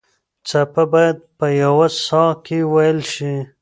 څپه باید په یوه ساه کې وېل شي.